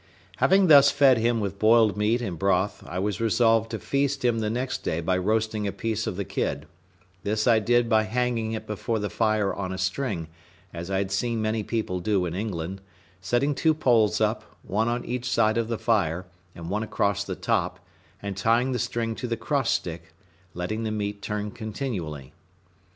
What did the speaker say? Having thus fed him with boiled meat and broth, I was resolved to feast him the next day by roasting a piece of the kid: this I did by hanging it before the fire on a string, as I had seen many people do in England, setting two poles up, one on each side of the fire, and one across the top, and tying the string to the cross stick, letting the meat turn continually.